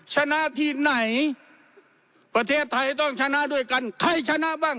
ชนะที่ไหนประเทศไทยต้องชนะด้วยกันใครชนะบ้าง